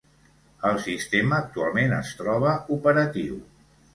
El sistema actualment es troba operatiu.